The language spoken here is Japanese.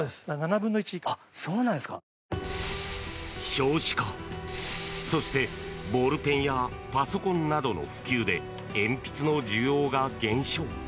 少子化そしてボールペンやパソコンなどの普及で鉛筆の需要が減少。